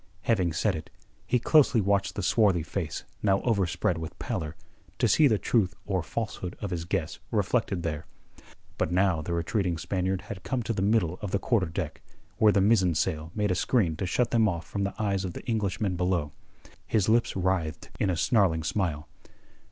Having said it, he closely watched the swarthy face now overspread with pallor, to see the truth or falsehood of his guess reflected there. But now the retreating Spaniard had come to the middle of the quarter deck, where the mizzen sail made a screen to shut them off from the eyes of the Englishmen below. His lips writhed in a snarling smile.